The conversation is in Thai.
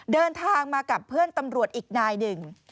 เดินทางมากับเพื่อนตำรวจอีกนายหนึ่ง